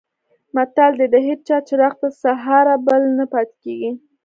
متل دی: د هېچا چراغ تر سهاره بل نه پاتې کېږي.